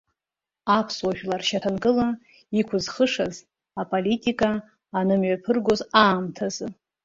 Аԥсуа жәлар шьаҭанкыла иқәызхышаз аполитика анымҩаԥыргоз аамҭазы.